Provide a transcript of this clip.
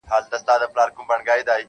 • که یې ځای وو لویي وني په ځنګلوکي -